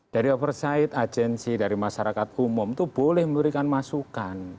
dari overside agency dari masyarakat umum itu boleh memberikan masukan